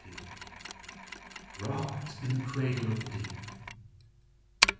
ROCKED IN THE CRADLE OF THE DEEP.